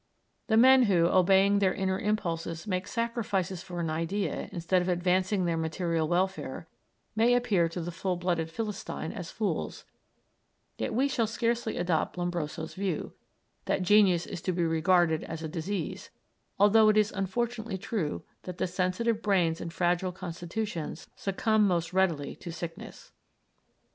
The men who, obeying their inner impulses, make sacrifices for an idea instead of advancing their material welfare, may appear to the full blooded Philistine as fools; yet we shall scarcely adopt Lombroso's view, that genius is to be regarded as a disease, although it is unfortunately true that the sensitive brains and fragile constitutions succumb most readily to sickness.